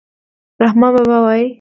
رحمان بابا وايي.